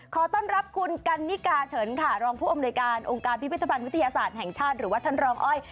ขอต้อนรับคุณกันนิกาเฉินค่ะรองผู้อำนวยการองค์การพิพิธภัณฑ์วิทยาศาสตร์แห่งชาติหรือว่าท่านรองอ้อย